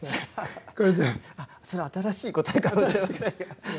それ新しい答えかもしれません。